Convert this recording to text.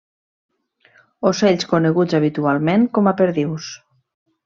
Ocells coneguts habitualment com a perdius.